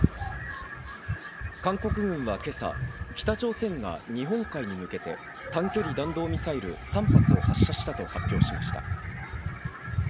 韓国軍は今朝、北朝鮮が日本海に向けて短距離弾道ミサイル３発を発射したと発表しました。